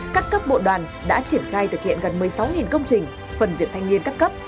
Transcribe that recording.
các cấp bộ đoàn đã triển khai thực hiện gần một mươi sáu công trình phần việc thanh niên các cấp